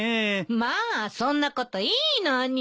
まあそんなこといいのに。